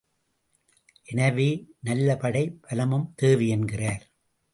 எனவே நல்ல படை பலமும் தேவை என்கிறார்.